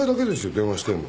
電話してるの。